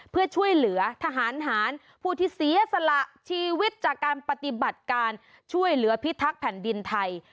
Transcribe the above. เพื่อช่วยเหลือทหารหารผู้ที่เสียสละชีวิตจากการปฏิบัติการช่วยเหลือพิทักษ์แผ่นดินไทย